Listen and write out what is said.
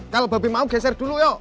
kalau babi mau geser dulu yuk